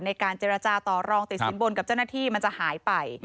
ในการเจรจาต่อรองติดสินบนกับเจ้าหน้าที่มันจะหายไป